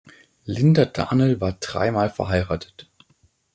Linda Darnell war drei Mal verheiratet.